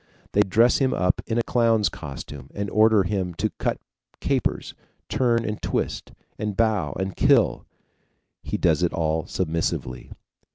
They dress him up in a clown's costume, and order him to cut capers, turn and twist and bow, and kill he does it all submissively.